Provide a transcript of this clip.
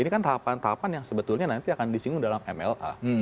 ini kan tahapan tahapan yang sebetulnya nanti akan disinggung dalam mla